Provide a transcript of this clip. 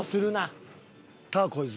ターコイズ？